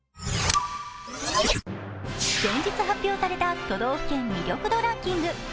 先日発表された都道府県魅力度ランキング。